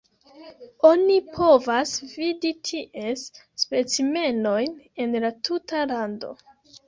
Oni povas vidi ties specimenojn en la tuta lando.